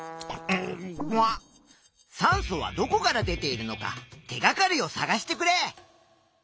酸素はどこから出ているのか手がかりをさがしてくれ！